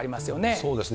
そうですね。